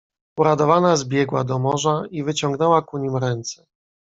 "Uradowana zbiegła do morza i wyciągnęła ku nim ręce."